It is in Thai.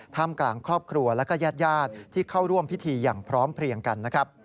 ท่ามกลางครอบครัวและยาดที่เข้าร่วมพิธีอย่างพร้อมเพรียงกัน